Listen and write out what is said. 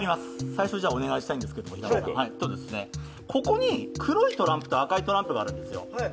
最初にお願いしたいんですけども、ここに黒いトランプと赤いトランプがあるんですよ。